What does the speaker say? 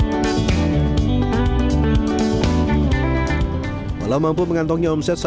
kita bisa lihat bahwa buburnya ini berjualan mulus